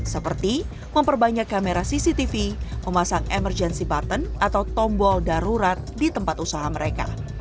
seperti memperbanyak kamera cctv memasang emergency button atau tombol darurat di tempat usaha mereka